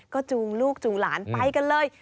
ก็จูงลูกจูงหลานไปกันเลย